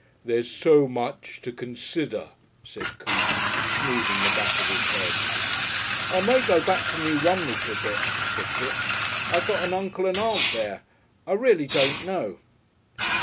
"There's so much to consider," said Coote, smoothing the back of his head. "I may go back to New Romney for a bit," said Kipps. "I got an Uncle and Aunt there. I reely don't know."